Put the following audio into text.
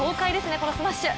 このスマッシュ。